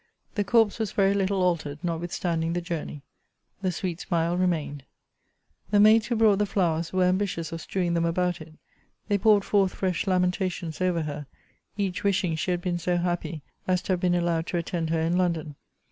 The corpse was very little altered, notwithstanding the journey. The sweet smile remained. The maids who brought the flowers were ambitious of strewing them about it: they poured forth fresh lamentations over her; each wishing she had been so happy as to have been allowed to attend her in London.